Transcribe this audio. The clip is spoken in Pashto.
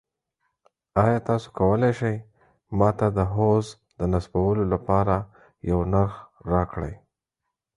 ایا تاسو کولی شئ ما ته د حوض د نصبولو لپاره یو نرخ راکړئ؟